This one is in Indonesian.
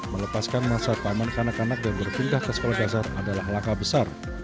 melepaskan masa taman kanak kanak dan berpindah ke sekolah dasar adalah langkah besar